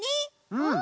うん！